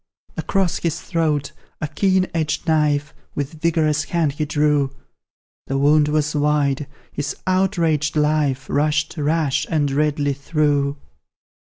Across his throat a keen edged knife With vigorous hand he drew; The wound was wide his outraged life Rushed rash and redly through.